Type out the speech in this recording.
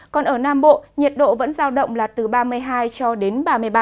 còn ở nam bộ nhiệt độ vẫn giao động là từ ba mươi hai cho đến ba mươi